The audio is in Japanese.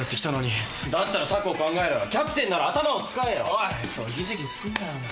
おいそうギスギスすんなよお前。